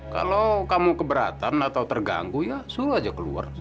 kalau kamu keberatan atau terganggu ya suruh aja keluar